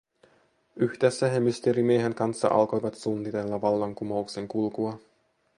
Yhdessä he Mysteerimiehen kanssa alkoivat suunnitella vallankumouksen kulkua.